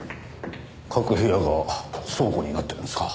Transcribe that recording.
各部屋が倉庫になってるんですか？